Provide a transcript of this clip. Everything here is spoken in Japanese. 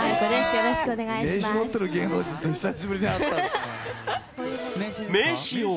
よろしくお願いします。